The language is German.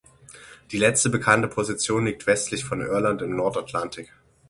Die letzte bekannte Position liegt westlich von Irland im Nordatlantik.